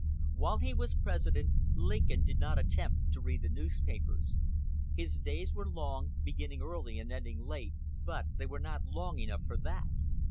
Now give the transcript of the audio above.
While he was President, Mr. Lincoln did not attempt to read the newspapers. His days were long, beginning early and ending late, but they were not long enough for that.